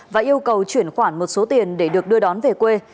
và yêu cầu chuyển khoản một số tiền để được đưa đón về quê